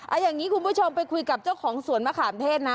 เอาอย่างนี้คุณผู้ชมไปคุยกับเจ้าของสวนมะขามเทศนะ